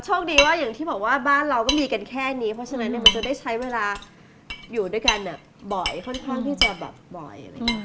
โชคดีว่าอย่างที่บอกว่าบ้านเราก็มีกันแค่นี้เพราะฉะนั้นเนี่ยมันจะได้ใช้เวลาอยู่ด้วยกันแบบบ่อยค่อนข้างที่จะแบบบ่อยอะไรอย่างนี้